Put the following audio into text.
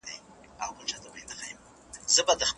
یو څه پوهه یو څه توره څه تدبیر وي